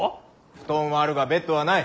布団はあるがベッドはない。